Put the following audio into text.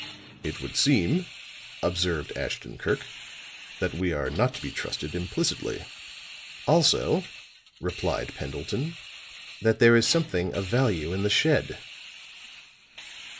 "It would seem," observed Ashton Kirk, "that we are not to be trusted implicitly." "Also," replied Pendleton, "that there is something of value in the shed."